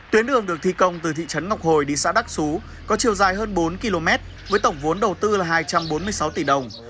tuyến đường được thi công từ thị trấn ngọc hồi đi xã đắc xú có chiều dài hơn bốn km với tổng vốn đầu tư là hai trăm bốn mươi sáu tỷ đồng